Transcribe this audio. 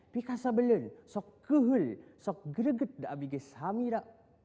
pika sabelun sok kehul sok gedeget da'a bigi samira